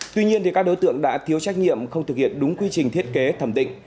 tuy nhiên các đối tượng đã thiếu trách nhiệm không thực hiện đúng quy trình thiết kế thẩm định